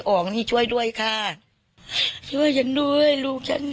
สงสันหนูเนี่ยว่าสงสันหนูเนี่ยมีกระทิแววออกได้จังไหน